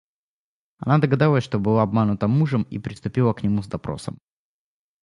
Она догадалась, что была обманута мужем, и приступила к нему с допросом.